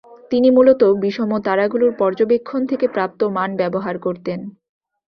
তিনি মূলত বিষম তারাগুলোর পর্যবেকক্ষণ থেকে প্রাপ্ত মান ব্যবহার করতেন।